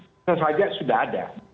bisa saja sudah ada